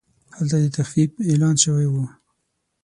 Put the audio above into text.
هلته د تخفیف اعلان شوی و.